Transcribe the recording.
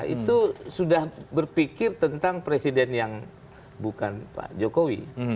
itu sudah berpikir tentang presiden yang bukan pak jokowi